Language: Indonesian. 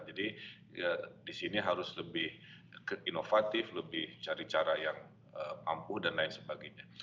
jadi di sini harus lebih inovatif lebih cari cara yang ampuh dan lain sebagainya